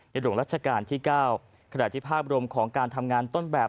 หลวงรัชกาลที่๙ขณะที่ภาพรวมของการทำงานต้นแบบ